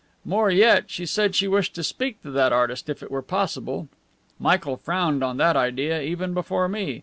More yet, she said she wished to speak to that artist if it were possible. Michael frowned on that idea, even before me.